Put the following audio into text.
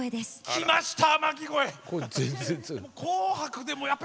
来ました。